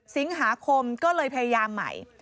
สิงหาคมก็เลยพยายามใหม่